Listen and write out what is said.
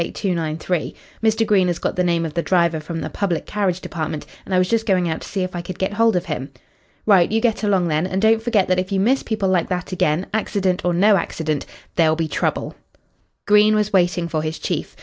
Mr. Green has got the name of the driver from the Public Carriage Department, and I was just going out to see if I could get hold of him." "Right; you get along, then. And don't forget that if you miss people like that again, accident or no accident, there'll be trouble." Green was waiting for his chief.